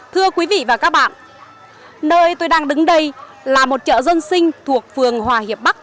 thưa quý vị và các bạn nơi tôi đang đứng đây là một chợ dân sinh thuộc phường hòa hiệp bắc